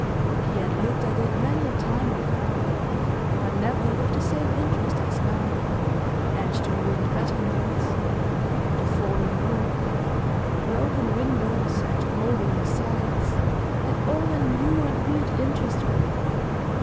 He had looked at it many a time before, but never with the same interest as now; and the ruined battlements, the fallen roof, the broken windows, and mouldering sides, had all a new and weird interest for him.